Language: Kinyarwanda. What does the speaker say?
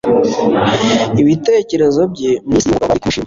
ibitekerezo bye mwisi yumugabo bari kumushima